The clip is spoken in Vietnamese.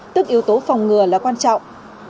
tức yếu tố phòng ngừa là quan trọng